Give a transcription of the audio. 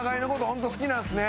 本当好きなんですね。